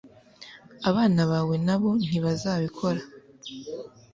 abana bawe nabo ntibazabikora